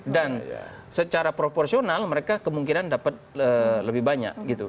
dan secara proporsional mereka kemungkinan dapat lebih banyak gitu